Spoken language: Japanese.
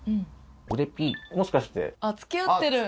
もしかして。